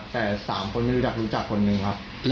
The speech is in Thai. ผมก็รู้จักบางคนนะ